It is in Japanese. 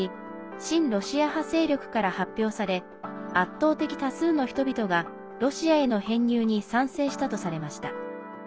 親ロシア派勢力から発表され圧倒的多数の人々がロシアへの編入に賛成したとされました。